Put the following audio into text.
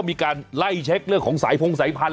มีการไล่เช็คเรื่องของสายพงสายพันธ